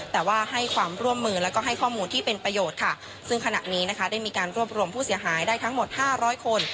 แต่ว่าให้ความร่วมมือแล้วก็ให้ข้อมูลที่เป็นประโยชน์ค่ะซึ่งขณะนี้นะคะได้มีการรวบรวมผู้เสียหายได้ทั้งหมดห้าร้อยคน